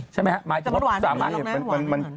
ใช่ไหมฮะหมายถึงน้ำหวาน